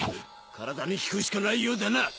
体に聞くしかないようだな。